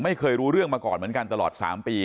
ไม่เคยรู้เรื่องมาก่อนเหมือนกันตลอด๓ปี